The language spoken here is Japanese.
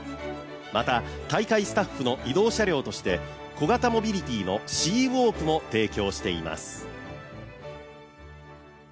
また大会スタッフの移動車両として小型モビリティのＣ＋ｗａｌｋも提供しています。